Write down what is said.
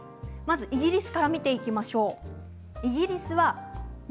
イギリスから見ていきましょう。